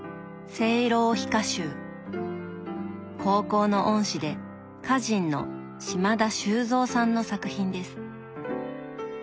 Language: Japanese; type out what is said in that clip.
高校の恩師で歌人の島田修三さんの作品です。